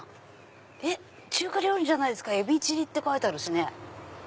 中華料理じゃないですかエビチリって書いてあるしね。